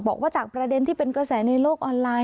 บอกว่าจากประเด็นที่เป็นกระแสในโลกออนไลน์